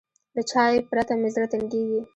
له چای پرته مې زړه تنګېږي.